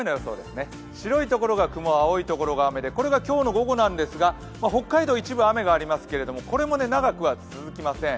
白いところが雲、青いところが雨でこれが今日の午後なんですが北海道一部雨ですがこれも長くは続きません。